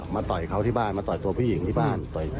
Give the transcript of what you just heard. ต่อยเขาที่บ้านมาต่อยตัวผู้หญิงที่บ้าน